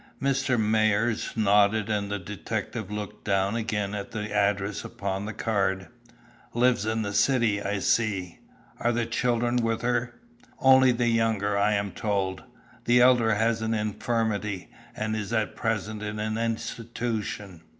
Mr. Myers nodded and the detective looked down again at the address upon the card. "Lives in the city, I see! Are the children with her here?" "Only the younger, I am told. The elder has 'an infirmity,' and is at present in an institution.